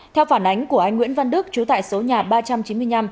theo phản ánh của anh nguyễn văn đức trú tại số nhà ba trăm chín mươi năm